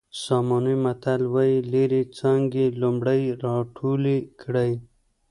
ساموني متل وایي لرې څانګې لومړی راټولې کړئ.